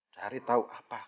cari tahu apa